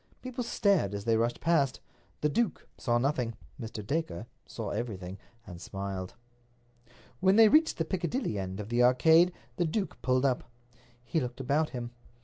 People stared as they rushed past. The duke saw nothing. Mr. Dacre saw everything, and smiled. When they reached the Piccadilly end of the Arcade the duke pulled up. He looked about him. Mr.